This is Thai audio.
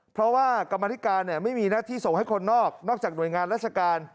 เพราะว่ากรรมธิการไม่มีหน้าที่ส่งให้คนนอกนอกจากหน่วยงานราชการ